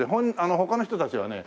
他の人たちはね